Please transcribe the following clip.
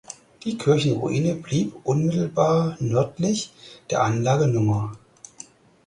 Die Kirchenruine blieb unmittelbar nördlich der Anlage Nr.